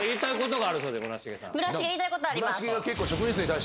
村重言いたいことあります。